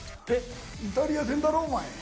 イタリア戦だろ、お前。